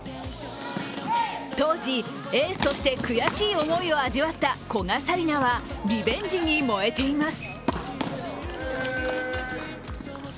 当時、エースとして悔しい思いを味わった古賀紗理那はリベンジに燃えています。